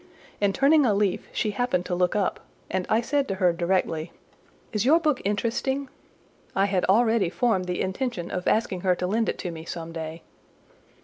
In turning a leaf she happened to look up, and I said to her directly— "Is your book interesting?" I had already formed the intention of asking her to lend it to me some day.